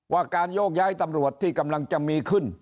ว่าการโยกย้ายตำรวจที่กำลังจะมีขึ้น